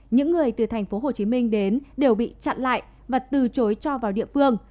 những người từ thành phố hồ chí minh đến đều bị chặn lại và từ chối cho vào địa phương